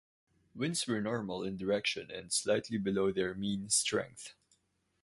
Winds were normal in direction and slightly below their mean strength.